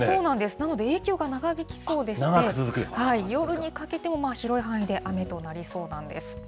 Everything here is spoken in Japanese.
なので影響が長引きそうでして、夜にかけても広い範囲で雨となりそうなんです。